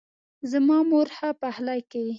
زما مور ښه پخلۍ کوي